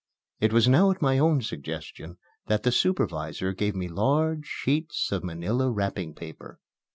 It was now at my own suggestion that the supervisor gave me large sheets of manila wrapping paper.